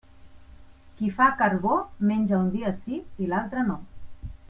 Qui fa carbó menja un dia sí i l'altre no.